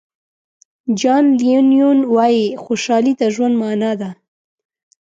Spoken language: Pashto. جان لینون وایي خوشحالي د ژوند معنا ده.